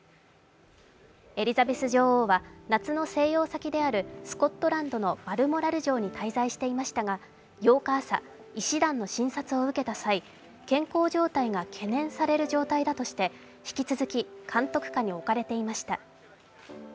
エリザベス女王は夏の静養先であるスコットランドのバルモラル城に滞在していましたが、８日朝、医師団の診察を受けた際、健康状態が懸念される状態だとして引き続き監督下に置かれていました。